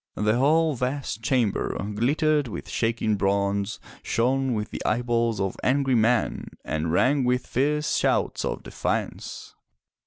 The whole vast chamber glittered with shaking bronze, shone with the eyeballs of angry men, and rang with fierce shouts of defiance.